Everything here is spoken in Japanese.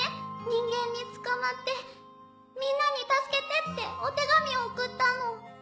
人間に捕まってみんなに助けてってお手紙を送ったの。